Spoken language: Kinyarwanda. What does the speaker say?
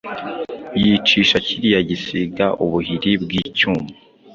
yicisha kiriya gisiga ubuhiri bw’icyuma